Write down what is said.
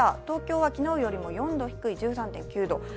東京は昨日よりも４度低い１３．９度。